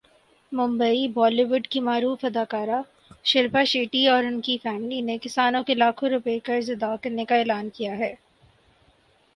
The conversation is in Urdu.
ممبی بالی ووڈ کی معروف اداکارہ شلپا شیٹھی اور اُن کی فیملی نے کسانوں کے لاکھوں روپے قرض ادا کرنے کا اعلان کیا ہے